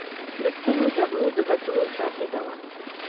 د سترو جګړو د ګټلو شاهده وه.